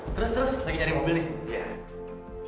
terus terus lagi nyari mobil nih